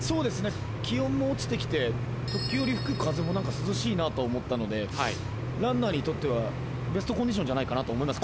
気温も落ちてきて時折吹く風も涼しいなと思ったのでランナーにとってはベストコンディションじゃないかなと思います